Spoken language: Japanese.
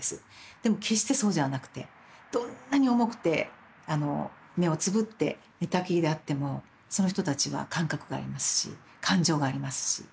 でも決してそうじゃなくてどんなに重くて目をつぶって寝たきりであってもその人たちは感覚がありますし感情がありますし。